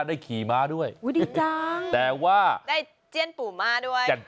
ได้ขี่ม้าด้วยวู้ดีจังแต่ว่าได้เจริญปูมาด้วย